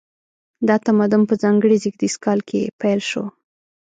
دا تمدن په ځانګړي زیږدیز کال کې پیل شو.